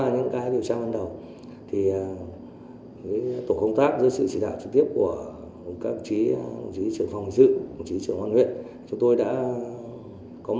nhiều tổ công tác được chia nhỏ để ra xoát khu vực hiện trường